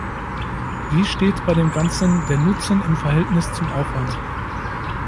Wie steht bei dem Ganzen der Nutzen im Verhältnis zum Aufwand?